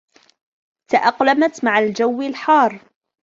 تأقلمت مع الجو الحار.